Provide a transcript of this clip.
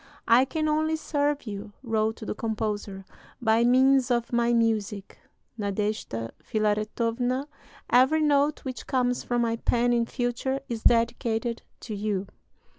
"I can only serve you," wrote the composer, "by means of my music. Nadeshda Filaretowna, every note which comes from my pen in future is dedicated to you!"